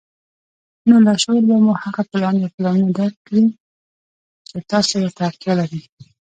نو لاشعور به مو هغه پلان يا پلانونه درکړي چې تاسې ورته اړتيا لرئ.